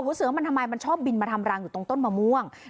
เสือมันทำไมมันชอบบินมาทำรังอยู่ตรงต้นมะม่วง